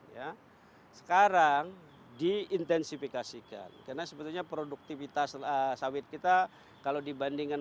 ya sekarang diintensifikasikan karena sebetulnya produktivitas sawit kita kalau dibandingkan